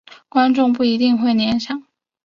观众不一定会联想。